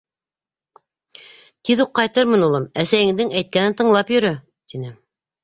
— Тиҙ үк ҡайтырмын, улым, әсәйеңдең әйткәнен тыңлап йөрө, — тине.